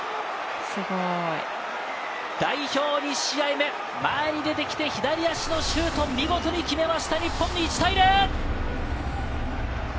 すごい！代表２試合目、前に出てきて、左足のシュートを見事に決めました、日本、１対０！